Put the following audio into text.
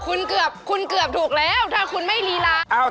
คุณเกือบถูกแล้วถ้าคุณไม่ลีล้าง